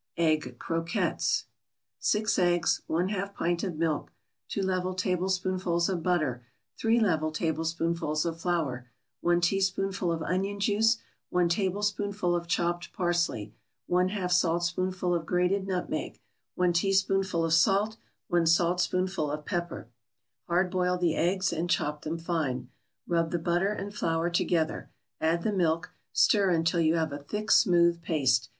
EGG CROQUETTES 6 eggs 1/2 pint of milk 2 level tablespoonfuls of butter 3 level tablespoonfuls of flour 1 teaspoonful of onion juice 1 tablespoonful of chopped parsley 1/2 saltspoonful of grated nutmeg 1 teaspoonful of salt 1 saltspoonful of pepper Hard boil the eggs and chop them fine. Rub the butter and flour together, add the milk, stir until you have a thick, smooth paste.